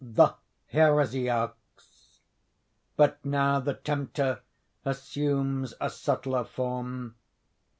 THE HERESIARCHS But now the tempter assumes a subtler form.